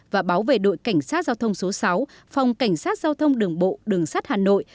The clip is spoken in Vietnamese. và báo về đội cảnh sát giao thông số sáu phòng cảnh sát giao thông đường bộ đường sắt hà nội